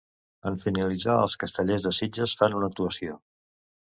En finalitzar, els Castellers de Sitges fan una actuació.